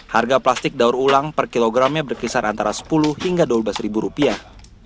harga plastik daur ulang per kilogramnya berkisar antara sepuluh hingga dua belas ribu rupiah